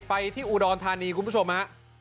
ไปที่อุดรธานีคุณผู้ชมฮะ